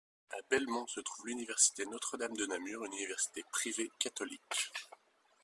À Belmont se trouve l'université Notre-Dame-de-Namur, une université privée catholique.